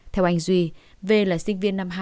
theo anh duy v là sinh viên năm hai